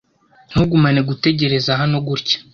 Ntugumane gutegereza hano gutya.